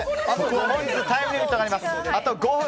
本日、タイムリミットがあります。